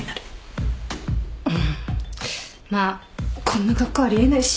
まあこんな格好あり得ないし。